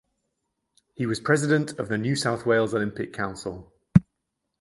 He was President of the New South Wales Olympic Council.